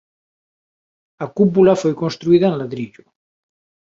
A cúpula foi construída en ladrillo.